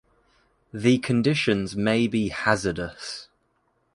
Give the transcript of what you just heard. The conditions may be hazardous.